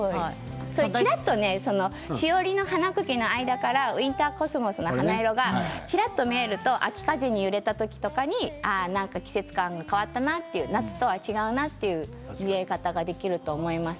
ちらっと詩織の花かきからウィンターコスモスの花色が見えると秋風に揺れたときに季節感が変わったな夏とは違ったなっていう見え方ができると思います。